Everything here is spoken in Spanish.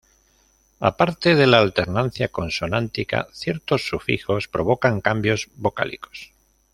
Aparte de la alternancia consonántica, ciertos sufijos provocan cambios vocálicos.